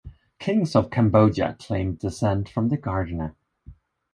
Kings of Cambodia claim descent from the gardener.